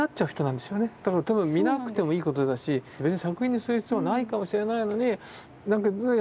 だから多分見なくてもいいことだし別に作品にする必要はないかもしれないのに。